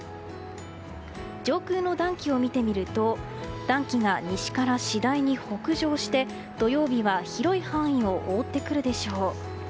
上空の暖気を見てみると暖気が西から次第に北上して土曜日は広い範囲を覆ってくるでしょう。